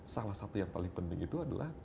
salah satu yang paling penting itu adalah